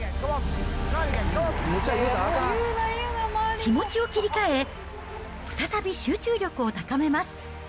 気持ちを切り替え、再び集中力を高めます。